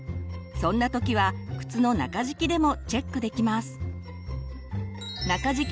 そんな時は靴の中敷きでもチェックできます！